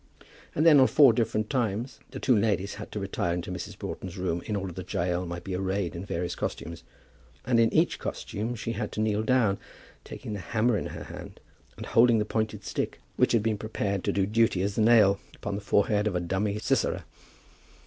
And then on four different times the two ladies had to retire into Mrs. Broughton's room in order that Jael might be arrayed in various costumes, and in each costume she had to kneel down, taking the hammer in her hand, and holding the pointed stick which had been prepared to do duty as the nail, upon the forehead of a dummy Sisera.